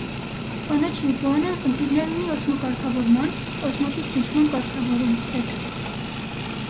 Կանաչ իգուանան խնդիրներ ունի օսմոկարգավորման (օսմոտիկ ճնշման կարգավորում) հետ։